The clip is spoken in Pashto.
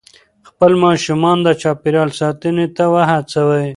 خپل ماشومان د چاپېریال ساتنې ته وهڅوئ.